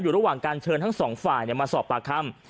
ระหว่างการเชิญทั้งสองฝ่ายมาสอบปากคำ